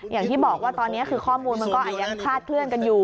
อย่างที่บอกว่าตอนนี้คือข้อมูลมันก็อาจยังคลาดเคลื่อนกันอยู่